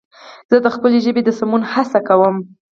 زه د خپلې ژبې د سمون هڅه کوم